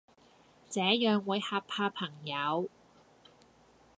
這樣會嚇怕朋友